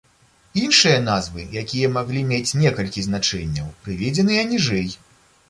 Іншыя назвы, якія маглі мець некалькі значэнняў, прыведзеныя ніжэй.